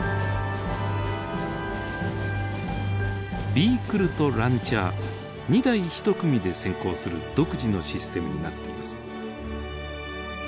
ビークルとランチャー２台１組で潜航する独自のシステムになっています。